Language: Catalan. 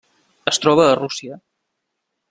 Es troba a Rússia.